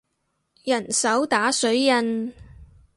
人手打水印